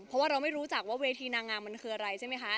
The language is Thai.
ถ้าเราไม่รู้จักว่าเวทีนางามันคืออะไรใช่ไหมคะ